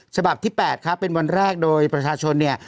ฉบับที่๘ครับเป็นวันแรกโดยประชาชนเนี่ย